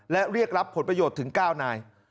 และเรียกรับผลประโยชน์ถึง๙นาย